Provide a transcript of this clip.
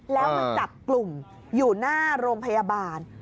แล้วมาจับกลุ่มอยู่หน้าโรงพยาบาล